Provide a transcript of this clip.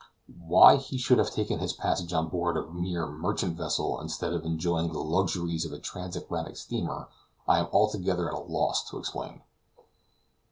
Why he should have taken his passage on board a mere merchant vessel instead of enjoying the luxuries of a transatlantic steamer, I am altogether at a loss to explain.